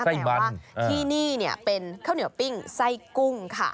แต่ว่าที่นี่เป็นข้าวเหนียวปิ้งไส้กุ้งค่ะ